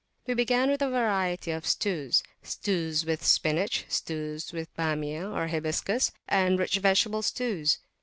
We began with a variety of stewsstews with spinach, stews with Bamiyah (hibiscus), and rich vegetable stews.